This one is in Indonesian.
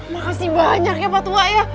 makasih banyak ya pak tua ya